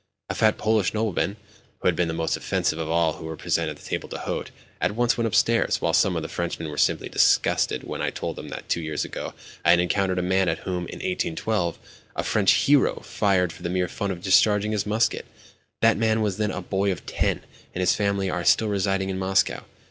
A fat Polish nobleman, who had been the most offensive of all who were present at the table d'hôte, at once went upstairs, while some of the Frenchmen were simply disgusted when I told them that two years ago I had encountered a man at whom, in 1812, a French 'hero' fired for the mere fun of discharging his musket. That man was then a boy of ten and his family are still residing in Moscow."